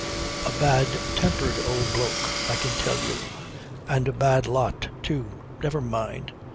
A bad tempered old bloke, I can tell you. And a bad lot, too. Never mind.